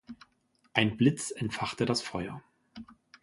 Ein Blitz entfachte das Feuer.